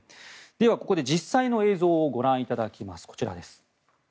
ではここで実際の映像をご覧いただきます。